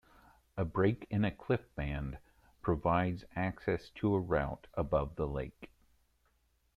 A break in a cliff band provides access to a route above the lake.